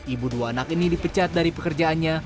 ibu dua anak ini dipecat dari pekerjaannya